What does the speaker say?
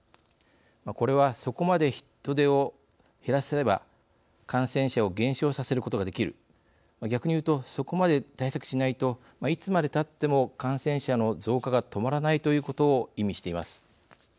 これは、そこまで人出を減らせば感染者を減少させることができる逆に言うとそこまで対策しないといつまでたっても感染者の増加が止まらないということを意味しています。